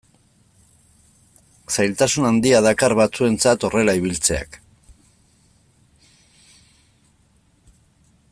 Zailtasun handia dakar batzuentzat horrela ibiltzeak.